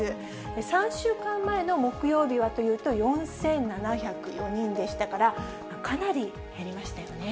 ３週間前の木曜日はというと、４７０４人でしたから、かなり減りましたよね。